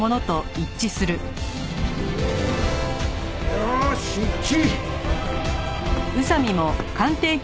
よーし一致！